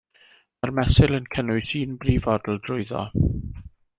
Mae'r mesur yn cynnwys un brifodl drwyddo.